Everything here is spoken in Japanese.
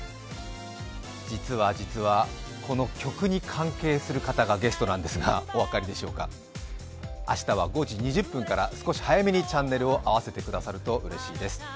実は実は、この局に関する関係方がゲストなんですが明日は５時２０分から少し早めにチャンネルを合わせてくださるとうれしいです。